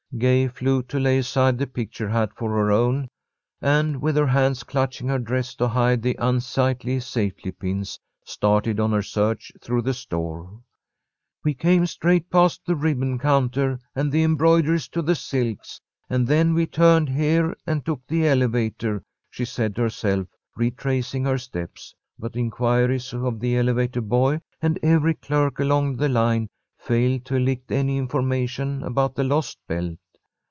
Gay flew to lay aside the picture hat for her own, and, with her hands clutching her dress to hide the unsightly safety pins, started on her search through the store. "We came straight past the ribbon counter and the embroideries to the silks, and then we turned here and took the elevator," she said to herself, retracing her steps. But inquiries of the elevator boy and every clerk along the line failed to elicit any information about the lost belt.